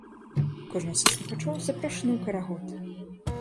Кожны са слухачоў запрошаны ў карагод!